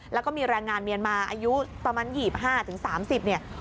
แล้วก็มีแรงงานเมียนมาอายุประมาณ๒๕๓๐เนี่ย